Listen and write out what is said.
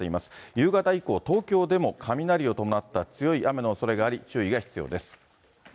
夕方以降、東京でも雷を伴った強い雨のおそれがあり、注意が必要です。